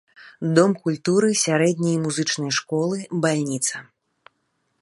Дом культуры, сярэдняя і музычная школы, бальніца.